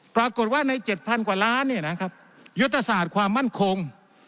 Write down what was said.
ปรากฏว่าใน๗๐๐กว่าล้านยุทธศาสตร์ความมั่นคง